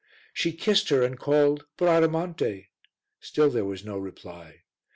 She kissed her and called "Bradamante," still there was no reply.